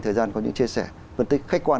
thời gian có những chia sẻ phân tích khách quan